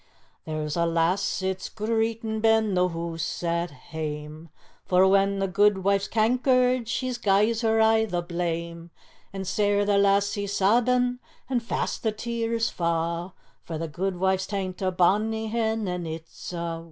"There's a lass sits greetin' ben the hoose at hame, For when the guidwife's cankered she gie's her aye the blame, And sair the lassie's sabbin', and fast the tears fa', For the guidwife's tynt a bonnie hen, and it's awa'.